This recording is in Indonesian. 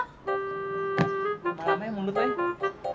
gapapa lama ya mundur tuh ya